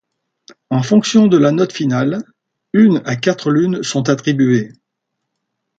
En fonction de la note finale, une à quatre lunes sont attribuées.